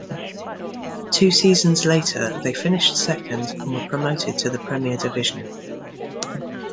Two seasons later they finished second, and were promoted to the Premier Division.